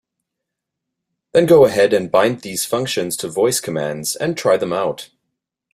Then go ahead and bind these functions to voice commands and try them out.